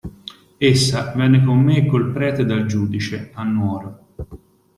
Essa venne con me e col prete dal giudice, a Nuoro.